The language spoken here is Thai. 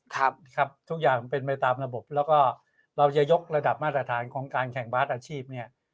ทุกอย่างเป็นไปตามระบบแล้วก็เราจะยกระดับมาตรฐานของการแข่งบาร์ดอาชีพ